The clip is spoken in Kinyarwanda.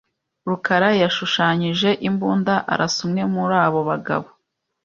rukarayashushanyije imbunda arasa umwe muri abo bagabo.